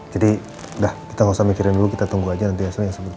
jadi dah kita gak usah mikirin dulu kita tunggu aja nanti elsa yang sebutin apa